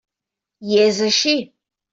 I és així.